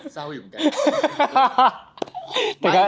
เศร้าอยู่เหมือนกัน